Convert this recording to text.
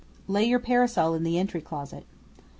"Lay your parasol in the entry closet."